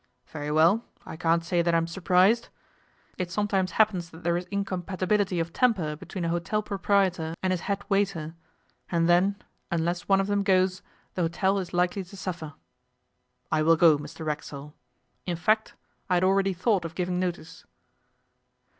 Very well, I can't say that I'm surprised. It sometimes happens that there is incompatibility of temper between a hotel proprietor and his head waiter, and then, unless one of them goes, the hotel is likely to suffer. I will go, Mr Racksole. In fact, I had already thought of giving notice.